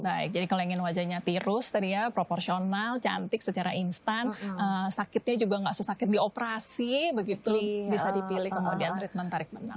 baik jadi kalau ingin wajahnya tirus proporsional cantik secara instan sakitnya juga nggak sesakit dioperasi begitu bisa dipilih kemudian treatment tarik benang